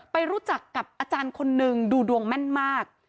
ไปรู้จักกับอาจารย์คนนึงดูดวงแม่นมาก